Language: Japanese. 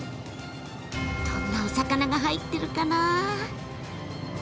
どんなお魚が入ってるかな？